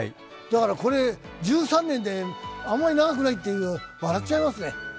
だからこれ１３年であんまり長くないっていう、笑っちゃいますね。